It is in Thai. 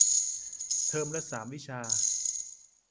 เทอมละสามวิชา